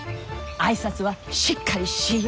挨拶はしっかりしいよ！